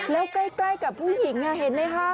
แล้วใกล้กับผู้หญิงเห็นไหมคะ